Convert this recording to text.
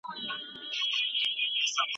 رسنۍ په ټولنه کې د خبرونو سرچینه ده.